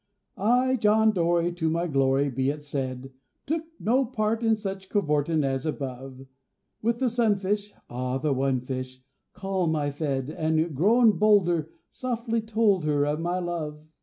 I, John Dory, to my glory be it said, Took no part in such cavortin' as above. With the Sun fish (ah! the one fish!) calm I fed, And, grown bolder, softly told her of my love.